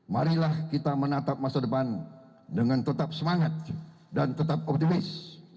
marilah kita menatap masa depan dengan tetap semangat dan tetap optimis